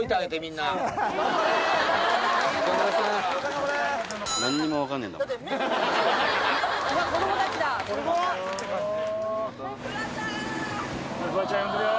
頑張れフワちゃん呼んでるよ